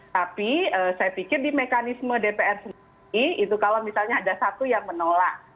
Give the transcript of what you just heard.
tapi saya pikir di mekanisme dpr sendiri itu kalau misalnya ada satu yang menolak